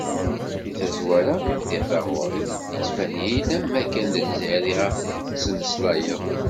Deg tazwara mi bdiɣ taɣuri, yettban-iyi-d am wakken d Lzzayer i ɣef d-tettmeslayeḍ.